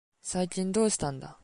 最近どうしたんだ。